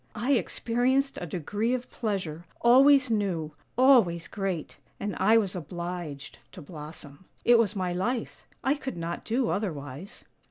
I experienced a degree of pleasure, always new, always great, and I was obliged to blossom. It was my life; I could not do otherwise."